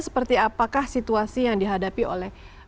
seperti apakah situasi yang dihadapi oleh